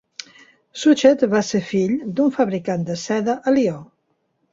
Suchet va ser fill d'un fabricant de seda a Lyon.